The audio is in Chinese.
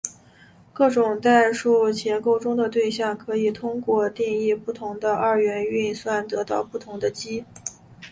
各种代数结构中的对象可以通过定义不同的二元运算得到不同的积。